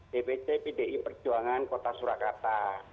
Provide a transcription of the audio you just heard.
dpc pdi perjuangan kota surakarta